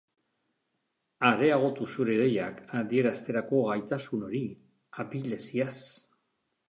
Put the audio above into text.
Areagotu zure ideiak adierazterako gaitasun hori, abileziaz.